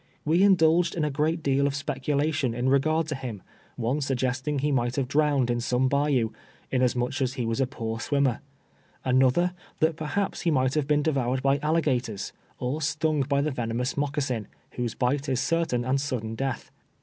"We indulged in a great deal of speculation in regard to him, one suggesting he might have been drowned in some bayou, inasmuch as he was a poor swimmer ; another, that perhaps he might have been devoured by alligators, or stung by the venomous moccasin, whose bite is certain and sudden death.